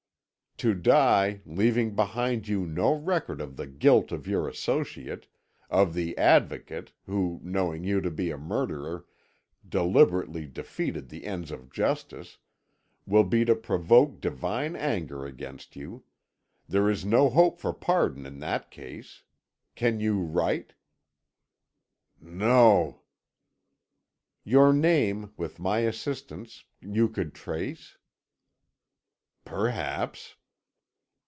"To die, leaving behind you no record of the guilt of your associate of the Advocate who, knowing you to be a murderer, deliberately defeated the ends of justice will be to provoke Divine anger against you. There is no hope for pardon in that case. Can you write?" "No." "Your name, with my assistance, you could trace?" "Perhaps."